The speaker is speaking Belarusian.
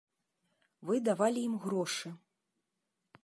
Вы давалі ім грошы.